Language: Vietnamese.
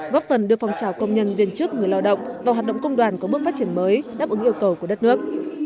góp phần đưa phòng trào công nhân viên chức người lao động vào hoạt động công đoàn có bước phát triển mới đáp ứng yêu cầu của đất nước